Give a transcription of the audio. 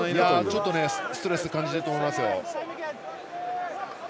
ちょっとストレス感じていると思いますよ。